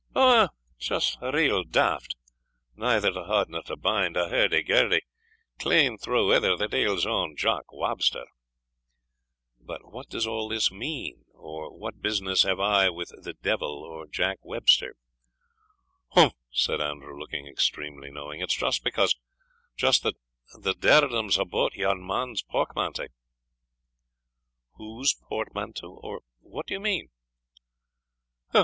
"Ou, just real daft neither to haud nor to bind a' hirdy girdy clean through ither the deil's ower Jock Wabster." [Illustration: Frank and Andrew Fairservice 194] "But what does all this mean? or what business have I with the devil or Jack Webster?" "Umph!" said Andrew, looking extremely knowing, "it's just because just that the dirdum's a' about yon man's pokmanty." "Whose portmanteau? or what do you mean?"